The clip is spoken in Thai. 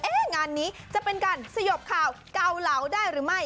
งานนี้จะเป็นการสยบข่าวเกาเหลาได้หรือไม่